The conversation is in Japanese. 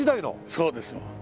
そうですわ。